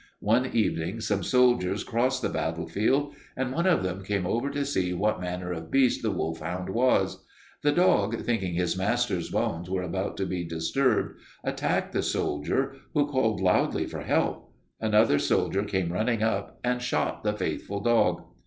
One evening some soldiers crossed the battlefield, and one of them came over to see what manner of beast the wolfhound was. The dog, thinking his master's bones were about to be disturbed, attacked the soldier, who called loudly for help. Another soldier came running up and shot the faithful dog.